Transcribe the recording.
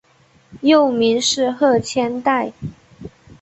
幼名是鹤千代。